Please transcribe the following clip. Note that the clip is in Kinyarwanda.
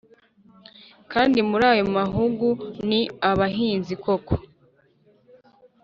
kandi muri ayo mahugu ni abahinzi koko,